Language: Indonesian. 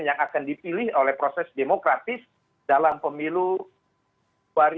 yang akan dipilih oleh proses demokratis dalam pemilu suari dua ribu dua puluh empat